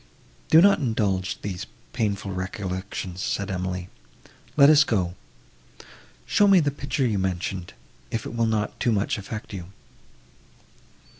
"Do not indulge these painful recollections," said Emily, "let us go. Show me the picture you mentioned, if it will not too much affect you."